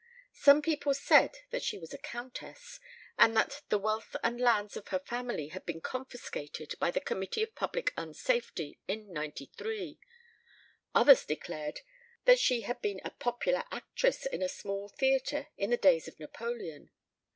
Some people said that she was a countess, and that the wealth and lands of her family had been confiscated by the committee of public unsafety in '93. Others declared that she had been a popular actress in a small theatre in the days of Napoleon.